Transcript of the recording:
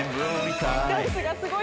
ダンスがすごい。